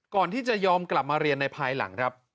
ก่อนที่จะยอมกลับมาเรียนในภายหลังครับ